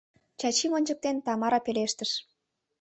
— Чачим ончыктен, Тамара пелештыш.